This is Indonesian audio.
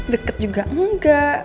deket juga enggak